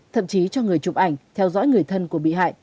thậm chí cho người chụp ảnh theo dõi người thân của bị hại